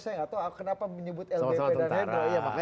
saya nggak tahu kenapa menyebut lbp dan hendra